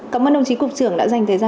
cảm ơn đồng chí cục trưởng